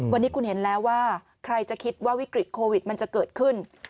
วันนี้คุณเห็นแล้วว่าใครจะคิดว่าวิกฤตโควิดมันจะเกิดขึ้น